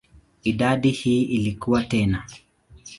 Idadi hii ilikua tena.